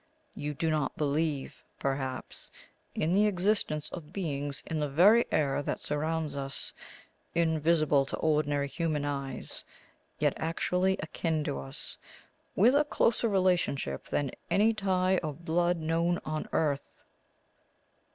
You do not believe, perhaps, in the existence of beings in the very air that surrounds us, invisible to ordinary human eyes, yet actually akin to us, with a closer relationship than any tie of blood known on earth?"